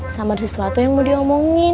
sama sesuatu yang mau diomongin